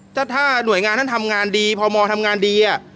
ถ้าหน่วยงานท่านทำงานดีพมทำงานดี